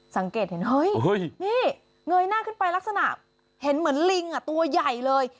สังเกตเห็นเฮ้ยนี่เงยหน้าขึ้นไปลักษณะเห็นเหมือนลิงตัวใหญ่เลย